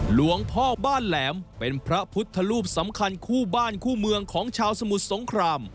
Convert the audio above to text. หลวงพ่อบ้านแหลมเป็นพระพุทธรูปสำคัญคู่บ้านคู่เมืองของชาวสมุทรสงคราม